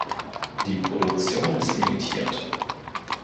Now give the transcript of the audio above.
Die Produktion ist limitiert.